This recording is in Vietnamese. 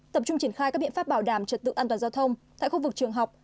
tập trung triển khai các biện pháp bảo đảm trật tự an toàn giao thông tại khu vực trường học